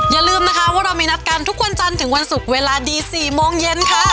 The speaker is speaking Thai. อย่าลืมนะคะว่าเรามีนัดกันทุกวันจันทร์ถึงวันศุกร์เวลาดี๔โมงเย็นค่ะ